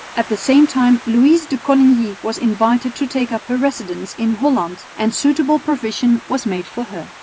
At the same time Louise de Coligny was invited to take up her residence in Holland and suitable provision was made for her.